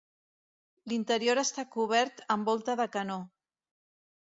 L'interior està cobert amb volta de canó.